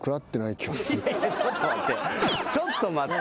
ちょっと待って。